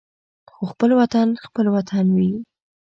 خو خپل وطن خپل وطن وي.